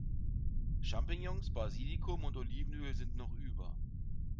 Champignons, Basilikum und Olivenöl sind noch über.